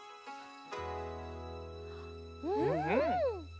うん！